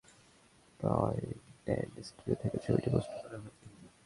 অন্যদিকে Al-Amin cyber point and studio থেকেও ছবিটি পোস্ট করা হয়নি।